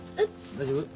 大丈夫？